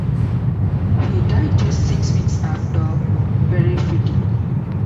He died just six weeks after Peyrefitte.